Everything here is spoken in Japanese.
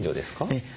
ええ。